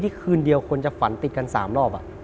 คืนเดียวคนจะฝันติดกัน๓รอบ